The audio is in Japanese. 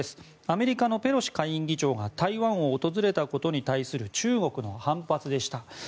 アメリカのペロシ下院議長が台湾を訪れたことに対する中国の反発でした。